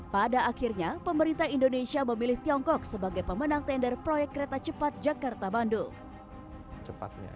pada akhirnya pemerintah indonesia memilih tiongkok sebagai pemenang tender proyek kereta cepat jakarta bandung